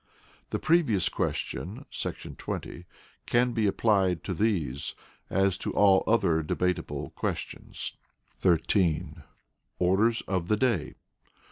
The Previous Question [§ 20] can be applied to these, as to all other debatable questions. 13. Orders of the Day.